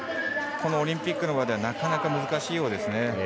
このオリンピックの場ではなかなか難しいようですね。